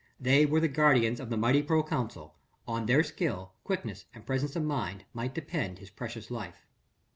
They were the guardians of the mighty proconsul: on their skill, quickness and presence of mind might depend his precious life.